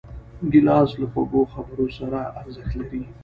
ګیلاس له خوږو خبرو سره ارزښت لري.